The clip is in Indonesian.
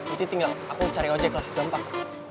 itu tinggal aku cari ojek lah gampang